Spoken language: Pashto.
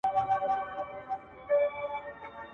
د خپل استاد ارواښاد محمد صدیق روهي !.